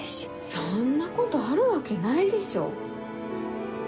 そんなことあるわけないでしょ。